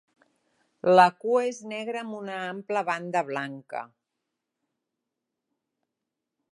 La cua és negra amb una ampla banda blanca.